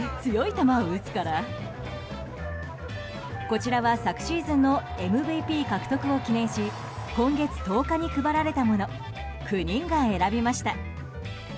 こちらは昨シーズンのＭＶＰ獲得を記念し今月１０日に配られたもの９人が選びました。